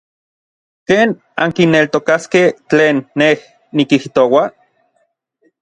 ¿ken ankineltokaskej tlen nej nikijtoua?